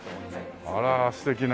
あら素敵な。